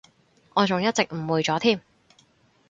我仲一直誤會咗添